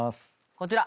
こちら。